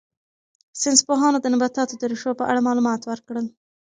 ساینس پوهانو د نباتاتو د ریښو په اړه معلومات ورکړل.